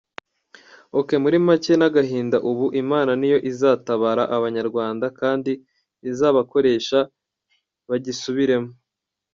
ok muri make nagahinda ubu Imana niyo izatabara Abanyarwanda kdi izabakoresha bagisubiremo.